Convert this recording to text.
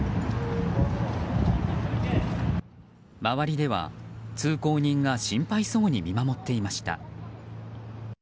周りでは、通行人が心配そうに見守っていました。